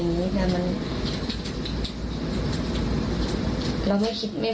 ไม่ครับไม่เคยมี